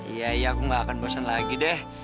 iya iya aku gak akan bosan lagi deh